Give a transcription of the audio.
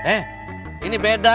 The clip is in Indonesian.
eh ini beda